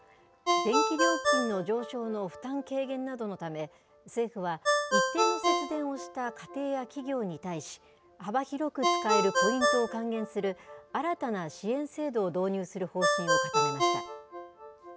電気料金の上昇の負担軽減などのため、政府は一定の節電をした家庭や企業に対し、幅広く使えるポイントを還元する、新たな支援制度を導入する方針を固めました。